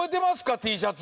Ｔシャツ。